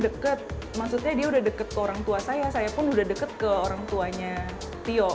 deket maksudnya dia udah deket ke orang tua saya saya pun udah deket ke orang tuanya tio